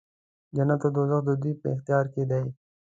جنت او دوږخ د دوی په اختیار کې دی.